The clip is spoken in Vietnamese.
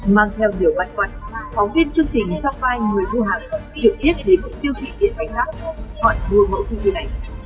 mang theo điều bạch quạch phóng viên chương trình trong vai người vua hạng trực tiếp đến một siêu thị điện máy khác họ đưa mẫu tv này